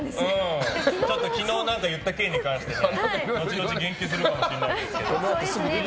昨日言った件に関して後々言及するかもしれませんけど。